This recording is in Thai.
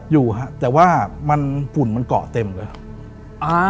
อยู่ฮะแต่ว่ามันฝุ่นมันเกาะเต็มเลย